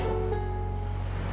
setau aku sih